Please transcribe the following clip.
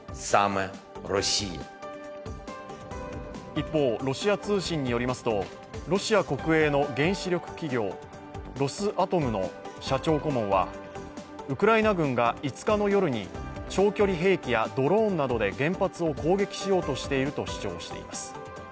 一方、ロシア通信によりますとロシア国営の原子力企業ロスアトムの社長顧問はウクライナ軍が５日の夜に長距離兵器やドローンなどで原発を攻撃しようとしていると主張しています。